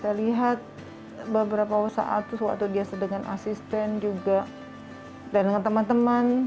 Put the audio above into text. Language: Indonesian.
saya lihat beberapa saat waktu dia sedengan asisten juga dan dengan teman teman